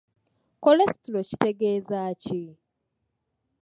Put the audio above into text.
Kolesitulo kitegeeza ki?